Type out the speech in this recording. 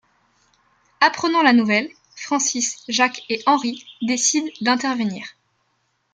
Apprenant la nouvelle, Francis, Jacques et Henri décident d'intervenir.